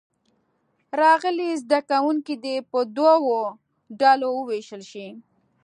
راغلي زده کوونکي دې په دوو ډلو ووېشل شي.